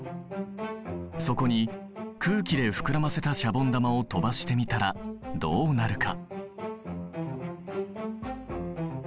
そこに空気で膨らませたシャボン玉を飛ばしてみたらどうなるか？